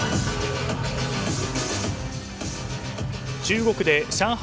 中国で上海